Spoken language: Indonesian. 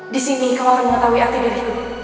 di sini kau akan mengetahui arti dari itu